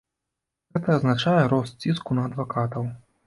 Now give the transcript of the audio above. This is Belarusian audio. Гэта азначае рост ціску на адвакатаў.